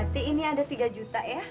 berarti ini ada tiga juta ya